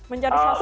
menjadi sosok ya